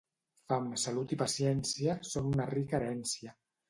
Fam, salut i paciència són una rica herència.